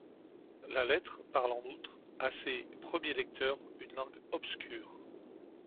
La lettre parle en outre, à ses premiers lecteurs, une langue obscure.